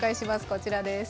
こちらです。